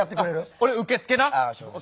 俺受付な。